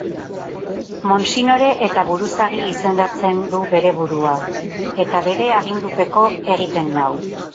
Monsinore eta buruzagi izendatzen du bere burua, eta bere agindupeko egiten nau!